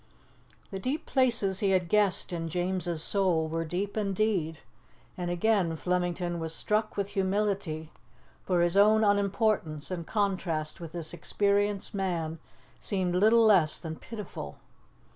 The deep places he had guessed in James's soul were deep indeed, and again Flemington was struck with humility, for his own unimportance in contrast with this experienced man seemed little less than pitiful.